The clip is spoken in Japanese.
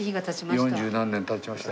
四十何年経ちました。